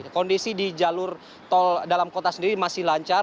kondisi di jalur tol dalam kota sendiri masih lancar